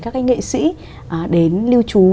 các cái nghệ sĩ đến lưu trú